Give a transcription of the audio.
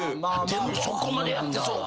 でもそこまでやってそっか。